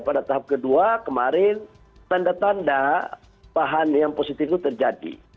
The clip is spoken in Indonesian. pada tahap kedua kemarin tanda tanda bahan yang positif itu terjadi